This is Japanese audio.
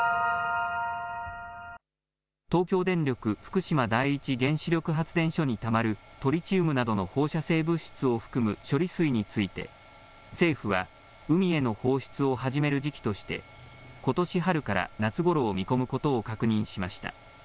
東京電力福島第一原子力発電所にたまるトリチウムなどの放射性物質を含む処理水について政府は海への放出を始める時期として、ことし春から夏ごろを見込むことを確認しました。